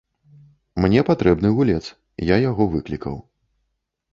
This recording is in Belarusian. Мне патрэбны гулец, я яго выклікаў.